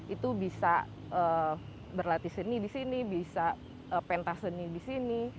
itu bisa berlatih seni di sini bisa pentas seni di sini